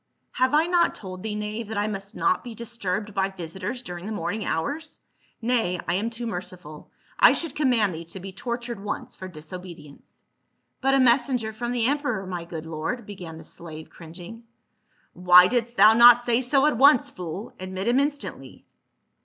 " Have I not told thee, knave, that I must not be disturbed by visitors during the morning hours ? Nay, I am too merciful, I should command thee to be tortured once for disobedience." " But a messenger from the emperor, my good lord," began the slave cringing, *' Why didst thou not say so at once, fool. Admit him instantly.